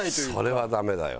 それはダメだよ。